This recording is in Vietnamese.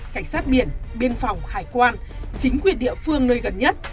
cảnh sát biển biên phòng hải quan chính quyền địa phương nơi gần nhất